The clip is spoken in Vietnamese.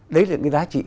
đấy là những giá trị